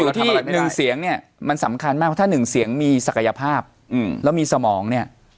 หนึ่งเสียงเนี่ยมันสำคัญมากเพราะถ้าหนึ่งเสียงมีศักยภาพแล้วมีสมองเนี่ย